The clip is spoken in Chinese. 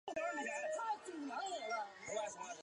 威利斯曾就读于圣保罗小学和。